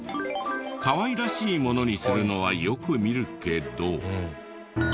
かわいらしいものにするのはよく見るけど。